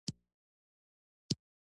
چې د نورو رژول کړې په قلم کې.